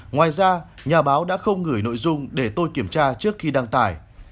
ngoài ra nhà báo đã không gửi nội dung để tôi kiểm tra trước khi đăng tải